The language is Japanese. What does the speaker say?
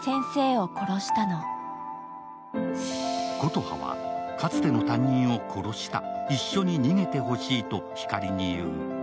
琴葉は、かつての担任を殺した、一緒に逃げてほしいと光に言う。